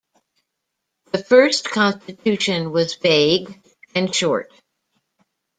The first constitution was vague and short.